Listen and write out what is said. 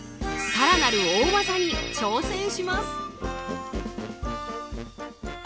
更なる大技に挑戦します。